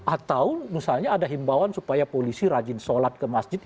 atau misalnya ada himbawan supaya polisi rajin sholat ke masjid